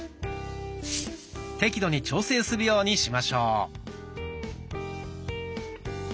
適度に調整するようにしましょう。